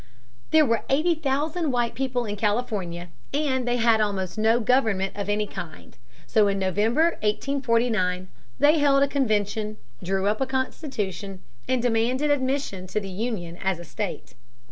There were eighty thousand white people in California, and they had almost no government of any kind. So in November, 1849, they held a convention, drew up a constitution, and demanded admission the Union as a state.